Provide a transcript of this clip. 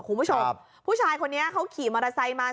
คุณผู้ชมผู้ชายคนนี้เขาขี่มอเตอร์ไซค์มา